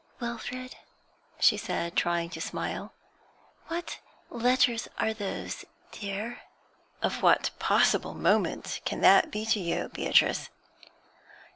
'Wilfrid,' she said, trying to smile, 'what letters are those, dear?' 'Of what possible moment can that be to you, Beatrice?'